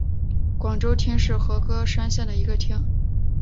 广川町是和歌山县的一町。